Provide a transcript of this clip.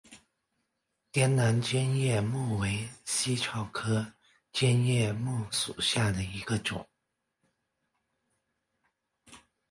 滇南尖叶木为茜草科尖叶木属下的一个种。